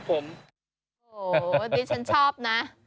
โอ้โหดิฉันชอบนะ